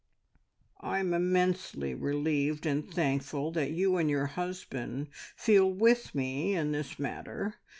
"I am immensely relieved and thankful that you and your husband feel with me in this matter.